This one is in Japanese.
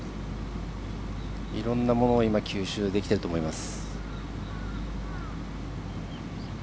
いろんなものを吸収できてると思います。